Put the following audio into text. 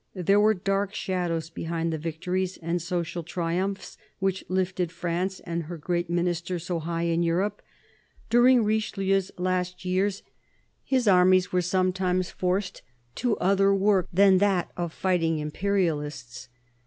There were dark shadows behind the victories and social triumphs which lifted France and her great Minister so high in Europe. During Richelieu's last years his armies THE CARDINAL 281 were sometimes forced to other work than that of fighting Imperialists.